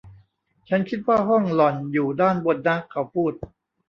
ฉันคิดว่าห้องหล่อนอยู่ด้านบนนะ เขาพูด